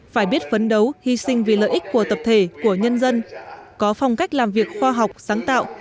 phải biết phấn đấu hy sinh vì lợi ích của tập thể của nhân dân có phong cách làm việc khoa học sáng tạo